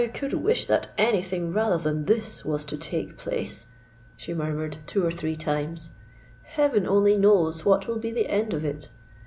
"I could wish that any thing rather than this was to take place!" she murmured two or three times. "Heaven only knows what will be the end of it!